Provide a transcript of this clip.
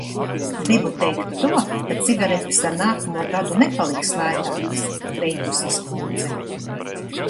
Gribu teikt to, ka cigaretes ar nākamo gadu nepaliks lētākas, Kreituses kundze.